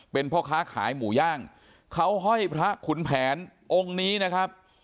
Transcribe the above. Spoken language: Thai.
เป็นพ่อค้าขายหมูย่างเขาห้อยพระขุนแผนองค์นี้นะครับ